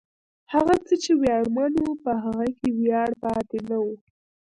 هغه څه چې ویاړمن و، په هغه کې ویاړ پاتې نه و.